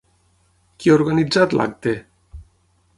Qui ha organitzat l'acte?